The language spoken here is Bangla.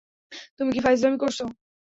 তুমি কি ফাইজলামি করছ?